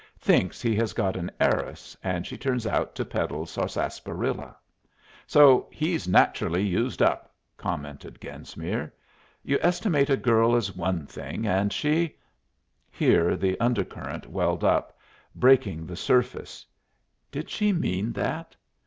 Thinks he has got an heiress, and she turns out to peddle sarsaparilla. "So he's naturally used up," commented Genesmere. "You estimate a girl as one thing, and she " Here the undercurrent welled up, breaking the surface. "Did she mean that?